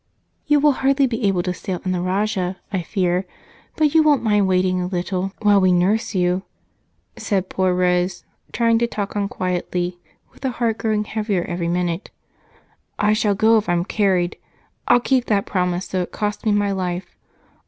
"You will hardly be able to sail in the Rajah, I fear, but you won't mind waiting a little while we nurse you," said poor Rose, trying to talk on quietly, with her heart growing heavier every minute. "I shall go if I'm carried! I'll keep that promise, though it costs me my life.